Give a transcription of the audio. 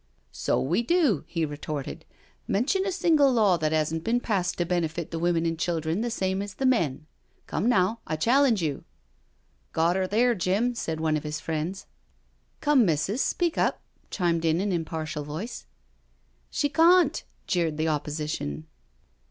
'* So we do," he retorted. " Mention a single law that hasn't been passed to benefit the women and children the same as the men. — Come, now, I challenge you I'* " Got 'er there, Jim," said one of his friends. ^" Come, missus, speak up I " chimed in an impartial voice. " She cawnti" jeered the opposition.